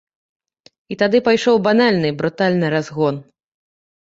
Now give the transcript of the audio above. І тады пайшоў банальны брутальны разгон.